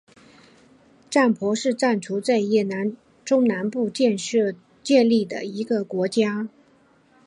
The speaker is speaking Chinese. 占婆是占族在今越南中南部建立的一个国家。